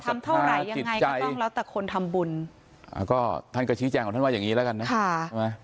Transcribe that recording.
ทำเท่าไหร่ยังไงก็ต้องแล้วแต่คนทำบุญอ่าก็ท่านก็ชี้แจงของท่านว่าอย่างงี้แล้วกันนะ